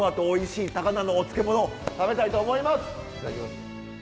いただきます。